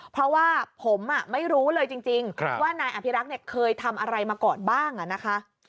เพราะว่าผมไม่รู้เลยจริงว่านายอภิรักษ์เนี่ยเคยทำอะไรมาก่อนบ้างนะคะ